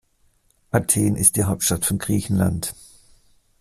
Athen ist die Hauptstadt von Griechenland.